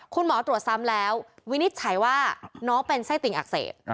คุณหมอตรวจซ้ำแล้ววินิจฉัยว่าน้องเป็นไส้ติ่งอักเสบ